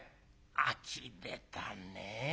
あきれたねぇ。